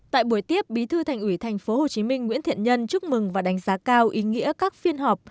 tại buổi tiếp bí thư thành ủy tp hcm nguyễn thiện nhân chúc mừng và đánh giá cao ý nghĩa các phiên họp